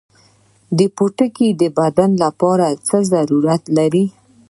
پوټکی د بدن لپاره څه ارزښت لري؟